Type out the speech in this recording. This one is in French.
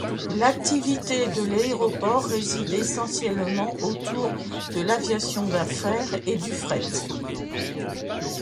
L'activité de l'aéroport réside essentiellement autour de l'aviation d'affaires et du fret.